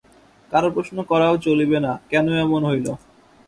কারো প্রশ্ন করাও চলিবে না কেন এমন হইল।